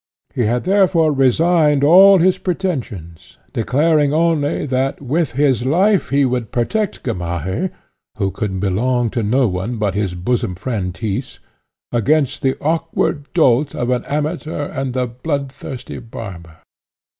He had therefore resigned all his pretensions, declaring only that, with his life, he would protect Gamaheh, who could belong to no one but his bosom friend, Tyss, against the awkward dolt of an Amateur and the bloodthirsty Barber.